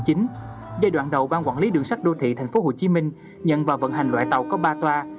giai đoạn đầu ban quản lý đường sắt đô thị tp hcm nhận và vận hành loại tàu có ba toa